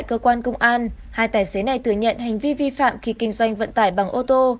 tại cơ quan công an hai tài xế này thừa nhận hành vi vi phạm khi kinh doanh vận tải bằng ô tô